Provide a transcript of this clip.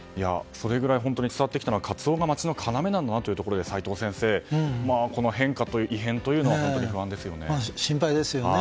それぐらい本当に伝わってきたのはカツオが街の要なんだなということですが齋藤先生、この異変というのは本当に不安ですよね。